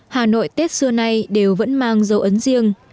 hà nội tết xưa nay đều vẫn mang dấu ấn riêng